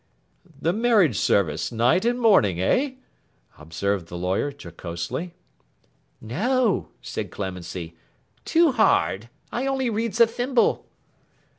'The marriage service, night and morning, eh?' observed the lawyer, jocosely. 'No,' said Clemency. 'Too hard. I only reads a thimble.